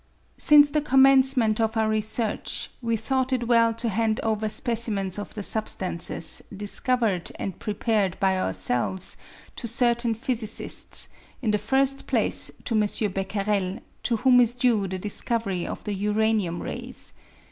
Since the commencement of our research we thought it well to hand over specimens of the substances, discovered and prepared by ourselves, to certain physicists, in the first place to M. Becquerel, to whom is due the discovery of the uranium rays.